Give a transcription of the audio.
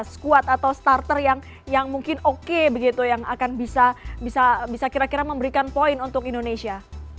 squad atau starter yang mungkin oke begitu yang akan bisa kira kira memberikan poin untuk indonesia